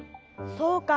そうか。